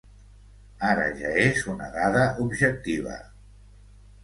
Ara ja és una dada objectiva.